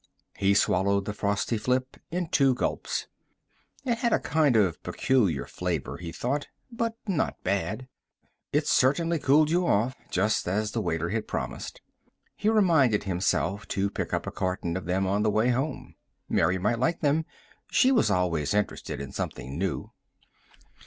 He swallowed the Frosty Flip in two gulps. It had a kind of peculiar flavor, he thought, but not bad. It certainly cooled you off, just as the waiter had promised. He reminded himself to pick up a carton of them on the way home; Mary might like them. She was always interested in something new.